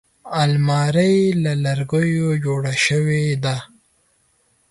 الماري له لرګیو جوړه شوې ده